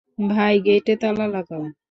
ভাই, গেইটে তালা লাগাও।